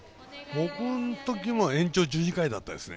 僕のときも延長１２回だったですね。